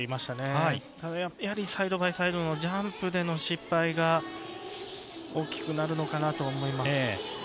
ただ、やはりサイドバイサイドのジャンプでの失敗が大きくなるのかなと思います。